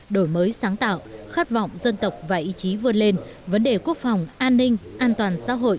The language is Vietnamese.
đổi mới sáng tạo khát vọng dân tộc và ý chí vươn lên vấn đề quốc phòng an ninh an toàn xã hội